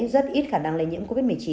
rất ít khả năng lây nhiễm covid một mươi chín